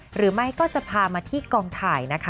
หรือไม่ก็จะพามาที่กองถ่ายนะคะ